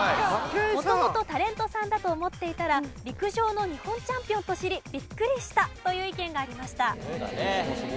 元々タレントさんだと思っていたら陸上の日本チャンピオンと知りビックリしたという意見がありました。